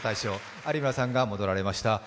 有村さんが戻られました。